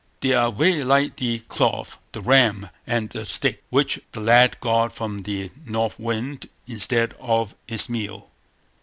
They are very like the cloth, the ram, and the stick, which the lad got from the North Wind instead of his meal.